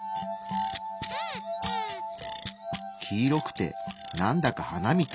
黄色くてなんだか花みたい。